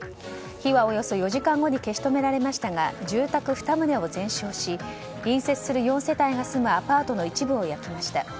火はおよそ４時間後に消し止められましたが住宅２棟を全焼し隣接する４世帯が住むアパートの一部を焼きました。